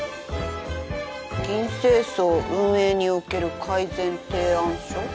「銀星荘運営における改善提案書」？